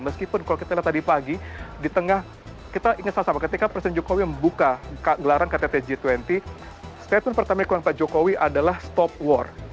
meskipun kalau kita lihat tadi pagi di tengah kita ingat sama sama ketika presiden jokowi membuka gelaran ktt g dua puluh statement pertama yang dikeluarkan pak jokowi adalah stop war